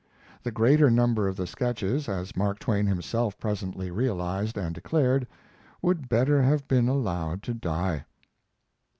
The greater number of the sketches, as Mark Twain himself presently realized and declared, would better have been allowed to die.